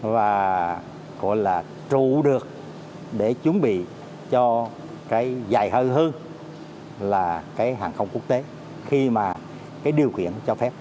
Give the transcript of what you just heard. và gọi là trụ được để chuẩn bị cho cái dài hơi hơn là cái hàng không quốc tế khi mà cái điều kiện cho phép